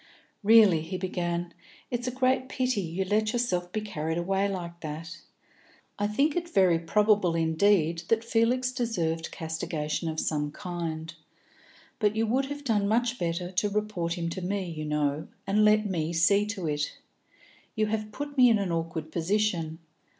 "Really," he began, "it's a great pity you let yourself be carried away like that. I think it very probable indeed that Felix deserved castigation of some kind, but you would have done much better to report him to me, you know, and let me see to it. You have put me in an awkward position.